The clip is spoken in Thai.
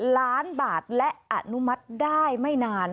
ล้านบาทและอนุมัติได้ไม่นาน